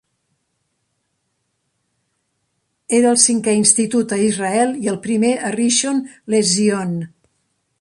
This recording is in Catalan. Era el cinquè institut a Israel i el primer a Rishon LeZion.